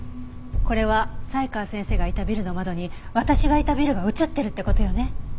これは才川先生がいたビルの窓に私がいたビルが映ってるって事よね。